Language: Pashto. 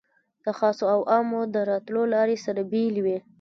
د خاصو او عامو د راتلو لارې سره بېلې وې.